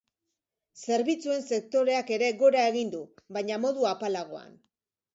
Zerbitzuen sektoreak ere gora egin du, baina modu apalagoan.